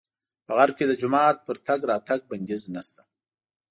په غرب کې د جومات پر تګ راتګ بندیز نه شته.